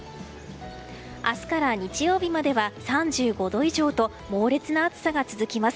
明日から日曜日までは３５度以上と猛烈な暑さが続きます。